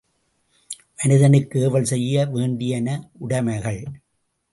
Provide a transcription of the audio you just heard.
மனிதனுக்கு ஏவல் செய்ய வேண்டியன உடைமைகள்.